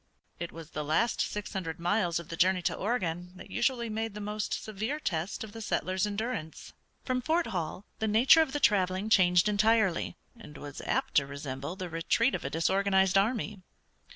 It was the last six hundred miles of the journey to Oregon that usually made the most severe test of the settlers' endurance. From Fort Hall the nature of the traveling changed entirely, and was apt to resemble the retreat of a disorganized army.